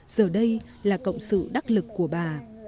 giờ đây là cộng sự đắc lực của bà